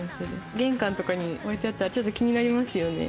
玄関とかに置いてあったらちょっと気になりますよね。